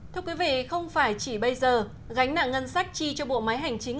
thưa quý vị không phải chỉ bây giờ gánh nặng ngân sách chi cho bộ máy hành chính